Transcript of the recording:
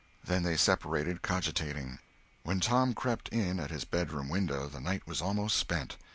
Then they separated, cogitating. When Tom crept in at his bedroom window the night was almost spent.